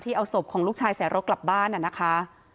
เอาศพของลูกชายใส่รถกลับบ้านนะคะ